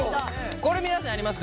これ皆さんやりますか？